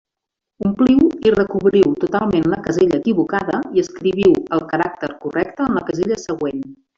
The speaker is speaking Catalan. Ompliu o recobriu totalment la casella equivocada i escriviu el caràcter correcte en la casella següent.